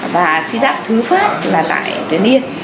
và suy giáp thứ phát là tại tuyến yên